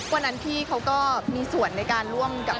วันนั้นพี่เขาก็มีส่วนในการร่วมกับ